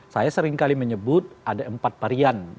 saya seringkali menyebut ada empat varian